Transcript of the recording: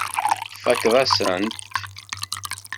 Tfakkeḍ-asent-t.